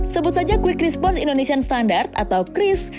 sebut saja quick response indonesian standard atau cris